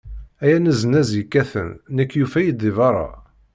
Ay aneznaz yekkaten, nekk yufa-yi-d di berra.